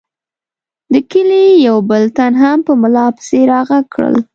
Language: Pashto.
د کلي یو بل تن هم په ملا پسې را غږ کړل.